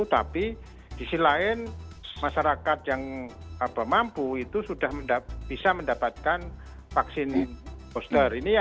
tapi di sisi lain masyarakat yang mampu itu sudah bisa mendapatkan vaksin booster